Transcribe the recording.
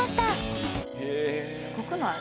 すごくない？